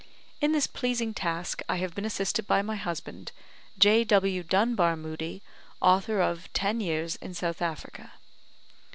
In this pleasing task, I have been assisted by my husband, J. W. Dunbar Moodie, author of "Ten Years in South Africa."